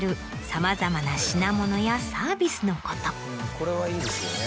これはいいですよね。